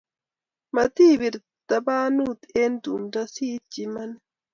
Matipir tabanut eng' tumdo siitchi imanit